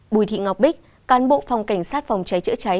bùi thị ngọc bích cán bộ phòng cảnh sát phòng cháy chữa cháy